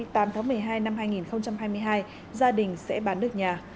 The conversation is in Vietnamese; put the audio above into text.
tám tháng một mươi hai năm hai nghìn hai mươi hai gia đình sẽ bán được nhà